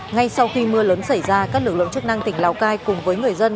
ngay sau khi mưa lớn xảy ra các lực lượng chức năng tỉnh lào cai cùng với người dân